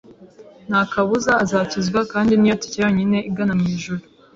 nta kabuza azakizwa kandi niyo tike yonyine igana mu ijuru ".